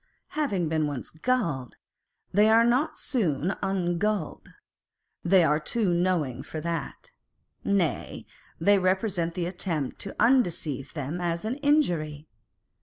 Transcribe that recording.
Having been once gulled, they are not soon ungulled. They are too knowing for that. Nay, they resent the attempt to undeceive them as an injury.